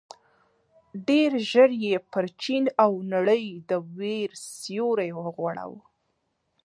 ډېر ژر یې پر چين او نړۍ د وېر سيوری وغوړاوه.